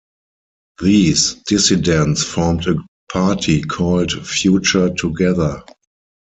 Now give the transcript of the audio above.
These dissidents formed a party called Future Together.